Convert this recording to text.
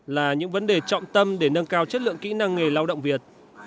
là những vấn đề trọng tâm để nâng cao chất lượng kỹ năng nghề lao động việt